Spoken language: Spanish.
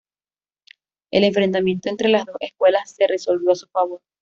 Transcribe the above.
El enfrentamiento entre las dos escuelas se resolvió a su favor.